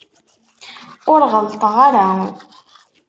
Ur ɣelṭeɣ ara.